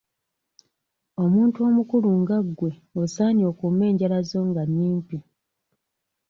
Omuntu omukulu nga gwe osaanye okuume enjala zo nga nnyimpi.